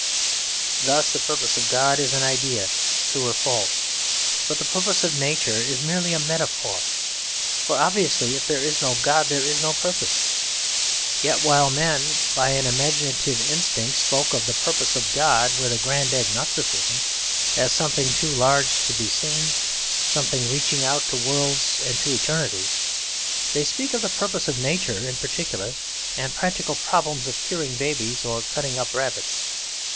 Thus the purpose of God is an idea, true or false; but the purpose of Nature is merely a metaphor; for obviously if there is no God there is no purpose. Yet while men, by an imaginative instinct, spoke of the purpose of God with a grand agnosticism, as something too large to be seen, something reaching out to worlds and to eternities, they speak of the purpose of Nature in particular and practical problems of curing babies or cutting up rabbits.